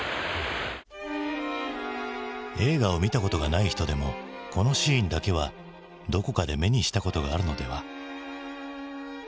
映画を見たことがない人でもこのシーンだけはどこかで目にしたことがあるのでは？